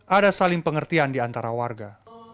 ada saling pengertian di antara warga